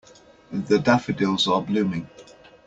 The daffodils are blooming.